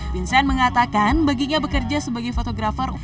vincent mengatakan baginya bekerja sebagai fotografer